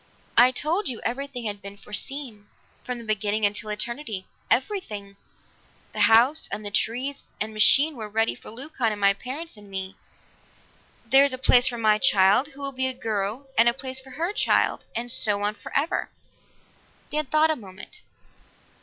"I told you everything had been foreseen, from the beginning until eternity everything. The house and trees and machine were ready for Leucon and my parents and me. There is a place for my child, who will be a girl, and a place for her child and so on forever." Dan thought a moment.